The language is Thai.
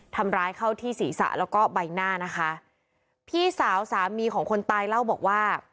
ทำร้ายเข้าที่ศีรษะแล้วก็ใบหน้านะคะพี่สาวสามีของคนตายเล่าบอกว่า